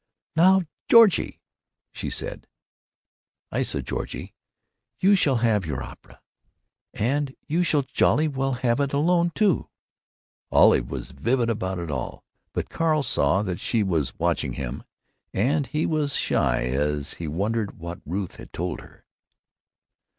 "Now, Georgie," she said, "issa Georgie, you shall have your opera—and you shall jolly well have it alone, too!" Olive was vivid about it all, but Carl saw that she was watching him, and he was shy as he wondered what Ruth had told her.